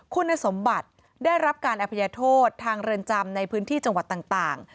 คุณสมบัติได้รับการอภัยโทษทางเรือนจำในพื้นที่จังหวัดต่าง